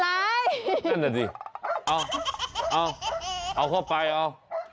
นั่นน่ะสิเอาเอาเข้าไปเอา